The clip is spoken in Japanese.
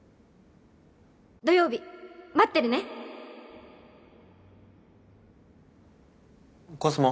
土曜日待ってるねコスモ？